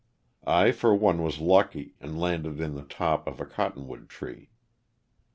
I for one was lucky and landed in the top of a cottonwood tree.